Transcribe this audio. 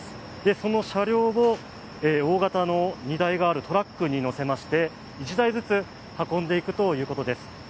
その車両を大型の荷台があるトラックに載せまして１台ずつ運んでいくということです。